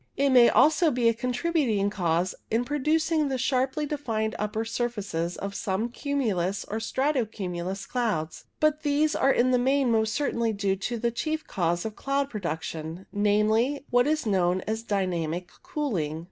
It may also be a contributing cause in producing the sharply defined upper sur faces of some cumulus or strato cumulus clouds, but these are in the main most certainly due to the chief cause of cloud production — namely, what is known as dynamic cooling.